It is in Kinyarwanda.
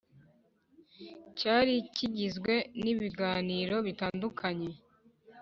cyari kigizwe n ibiganiro bitandukanye